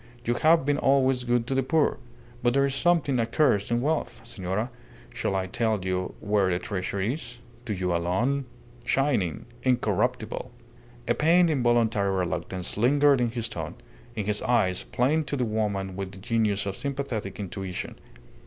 You have been always good to the poor. But there is something accursed in wealth. Senora, shall I tell you where the treasure is? To you alone. ... Shining! Incorruptible!" A pained, involuntary reluctance lingered in his tone, in his eyes, plain to the woman with the genius of sympathetic intuition.